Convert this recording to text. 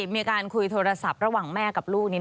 มีการคุยโทรศัพท์ระหว่างแม่กับลูกนี้